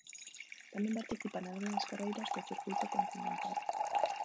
Tamén participa nalgunhas carreiras do "Circuíto Continental".